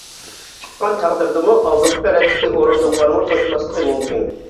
چىققان تەقدىردىمۇ ئالدىنقى رەتتىكى ئورۇندۇقلارمۇ توشماسلىقى مۇمكىن.